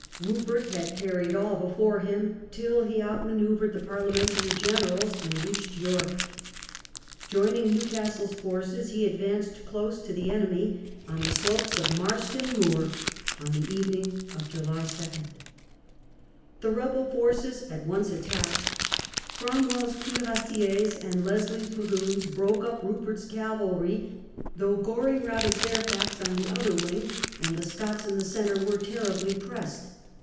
Rupert had carried all before him till he outmanoeuvred the Parliamentary generals and reached York. Joining New castle's forces he advanced close to the enemy on the 50 MONTROSE FOR THE KING. slopes of Marston Moor on the evening of July 2. The rebel forces at once attacked. Cromwell's cuirassiers and Leslie's dragoons broke up Rupert's cavalry, though Goring routed Fairfax on the other wing, and the Scots in the centre were terribly pressed.